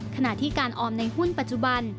ขณะที่การออมในหุ้นปัจจุบัน